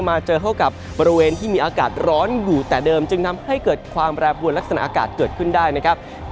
มาเจอเข้ากับบริเวณที่มีอากาศร้อนอยู่แต่เดิมจึงทำให้เกิดความแปรปวนลักษณะอากาศเกิดขึ้นได้นะครับ